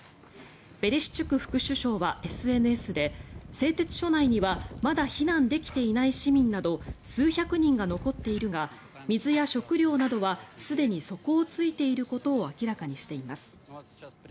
ベレシュチュク副首相はＳＮＳで製鉄所内にはまだ避難できていない市民など数百人が残っているが水や食料などはすでに底を突いていることを明らかにしています。